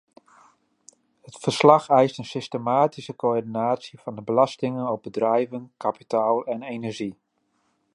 Het verslag eist een systematische coördinatie van de belastingen op bedrijven, kapitaal en energie.